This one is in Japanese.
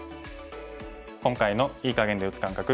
今回の“いい”かげんで打つ感覚